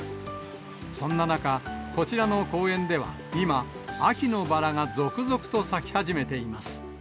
そんな中、こちらの公園では、今、秋のバラが続々と咲き始めています。